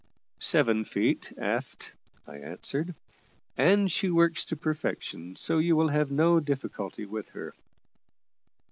"Seven feet aft," I answered, "and she works to perfection; so you will have no difficulty with her."